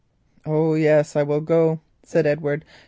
"Oh yes, I will go," said Edward.